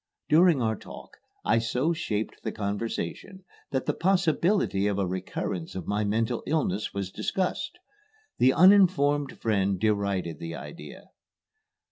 During our talk, I so shaped the conversation that the possibility of a recurrence of my mental illness was discussed. The uninformed friend derided the idea.